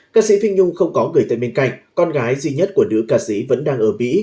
ca sĩ phi nhung không có người tại bên cạnh con gái duy nhất của đứa ca sĩ vẫn đang ở mỹ